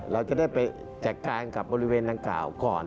เราจะได้ไปจัดการกับบริเวณดังกล่าวก่อน